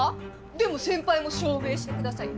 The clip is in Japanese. でも先輩も証明してください